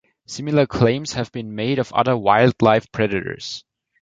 Similar claims have been made of other wildlife predators.